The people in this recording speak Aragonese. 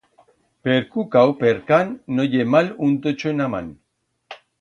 Per cuca u per can, no ye mal un tocho en a man!